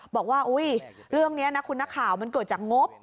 บอกว่าเรื่องนี้นะคุณนักข่าวมันเกิดจากงบ